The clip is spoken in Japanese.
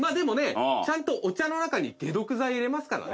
ちゃんとお茶の中に解毒剤入れますからね。